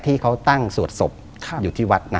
ที่เขาตั้งสวดศพอยู่ที่วัด